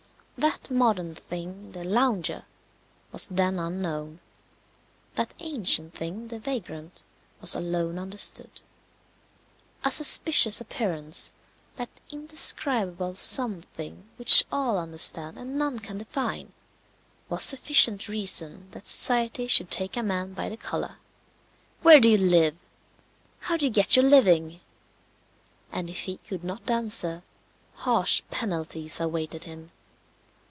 That modern thing, the lounger, was then unknown; that ancient thing, the vagrant, was alone understood. A suspicious appearance, that indescribable something which all understand and none can define, was sufficient reason that society should take a man by the collar. "Where do you live? How do you get your living?" And if he could not answer, harsh penalties awaited him.